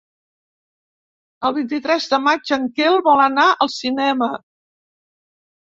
El vint-i-tres de maig en Quel vol anar al cinema.